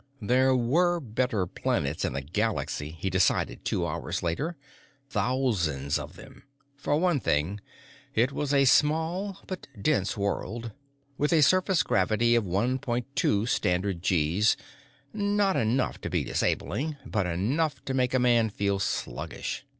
There were better planets in the galaxy, he decided two hours later. Thousands of them. For one thing, it was a small, but dense world, with a surface gravity of one point two standard gees not enough to be disabling, but enough to make a man feel sluggish.